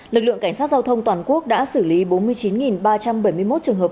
lực lượng cảnh sát giao thông toàn quốc đã xử lý bốn mươi chín ba trăm bảy mươi một trường hợp